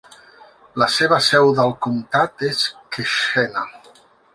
La seva seu del comtat és Keshena.